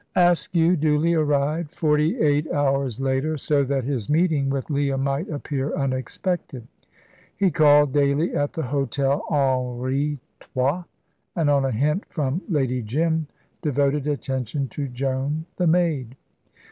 Askew duly arrived forty eight hours later, so that his meeting with Leah might appear unexpected. He called daily at the Hotel Henri Trois, and on a hint from Lady Jim devoted attention to Joan the maid.